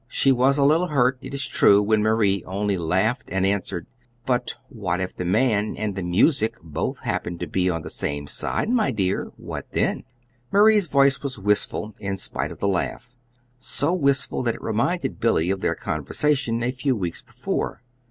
She was a little hurt, it is true, when Marie only laughed and answered: "But what if the man and the music both happen to be on the same side, my dear; what then?" Marie's voice was wistful, in spite of the laugh so wistful that it reminded Billy of their conversation a few weeks before.